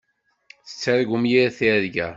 Tettargumt yir tirga.